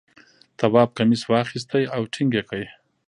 تواب کمیس واخیست او ټینګ یې کړ.